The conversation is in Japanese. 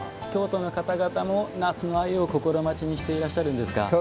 京都の方々も夏の鮎を心待ちにしていらっしゃるんですか？